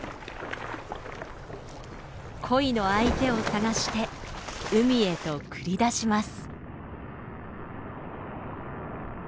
恋の相手を探して海へと繰り出します。